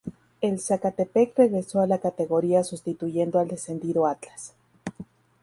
El Zacatepec regresó a la categoría sustituyendo al descendido Atlas.